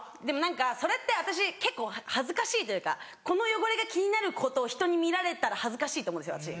でも何かそれって私結構恥ずかしいというかこの汚れが気になることを人に見られたら恥ずかしいと思うんですよ